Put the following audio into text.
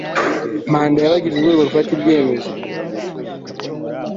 manda y abagize urwego rufata ibyemezo